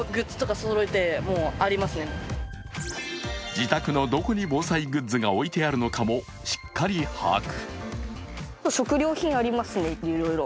自宅のどこに防災グッズが置いてあるのかもしっかり把握。